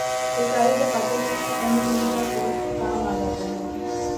سرکاری دفاتر میں ایم این اے کا فون کام آجا تا ہے۔